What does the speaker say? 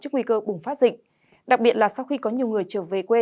trước nguy cơ bùng phát dịch đặc biệt là sau khi có nhiều người trở về quê